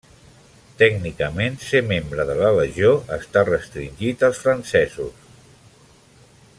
Tècnicament, ser membre de la Legió està restringit als francesos.